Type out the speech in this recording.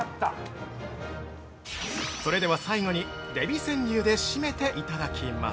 ◆それでは、最後にデヴィ川柳で締めていただきます。